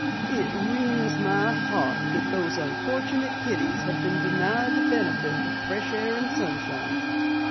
It wrings my heart that those unfortunate kiddies have been denied the benefit of fresh air and sunshine."